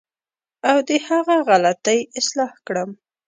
او د هغه غلطۍ اصلاح کړم.